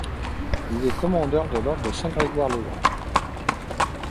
Il est commandeur de l'ordre de Saint-Grégoire-le-Grand.